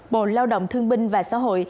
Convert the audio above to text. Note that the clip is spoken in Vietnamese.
bộ lao động thương minh và xã hội